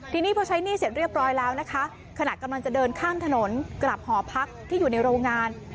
ทีนี้พอใช้หนี้เสร็จเรียบร้อยแล้วนะคะขณะกำลังจะเดินข้ามถนนกลับหอพักที่อยู่ในโรงงาน